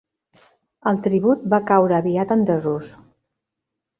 El tribut va caure aviat en desús.